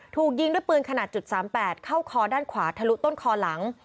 ถูกยิงด้วยปืนขนาด๓๘เข้าคอด้านขวาทะลุต้นคอหลัง